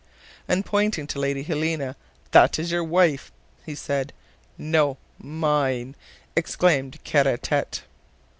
And pointing to Lady Helena: "That is your wife?" he said. "No! mine!" exclaimed Kara Tete.